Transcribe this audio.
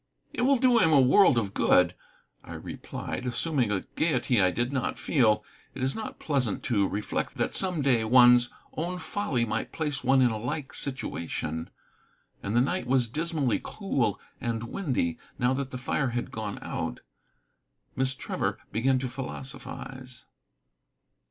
"It will do him a world of good," I replied, assuming a gayety I did not feel. It is not pleasant to reflect that some day one's own folly might place one in alike situation. And the night was dismally cool and windy, now that the fire had gone out. Miss Trevor began to philosophize.